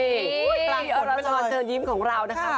อุ๊ยตลางฝนไปเลยเราจะมาเจอยิ้มของเรานะคะ